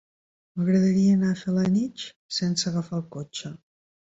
M'agradaria anar a Felanitx sense agafar el cotxe.